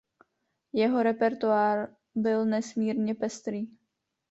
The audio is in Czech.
Jeho repertoár byl nesmírně pestrý.